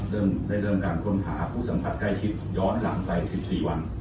เริ่มได้เริ่มการค้นหาผู้สัมผัสใกล้ชิดย้อนหลังไป๑๔วัน